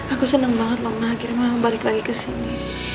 aku senang banget ngeri ngebarik lagi ke sini